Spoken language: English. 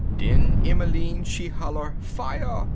Den Emmeline she holler "Fire!